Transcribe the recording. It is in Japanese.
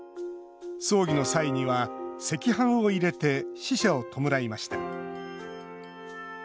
葬儀の際には赤飯を入れて死者を弔いました。